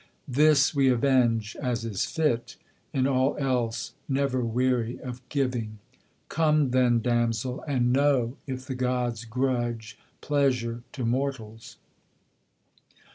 This we avenge, as is fit; in all else never weary of giving. Come, then, damsel, and know if the gods grudge pleasure to mortals.'